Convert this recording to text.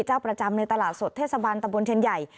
เจ้าประจำในตลาดสดเทศบาลตะบนเทียนใหญ่